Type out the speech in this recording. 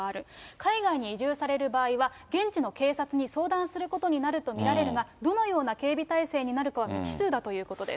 海外に移住される場合は、現地の警察に相談することになると見られるが、どのような警備体制になるかは未知数だということです。